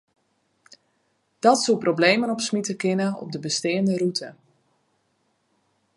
Dat soe problemen opsmite kinne op de besteande rûte.